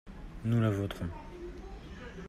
Nous la voterons.